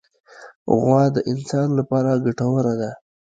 غوا د انسان له پاره ګټوره ده.